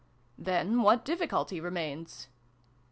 " Then what difficulty remains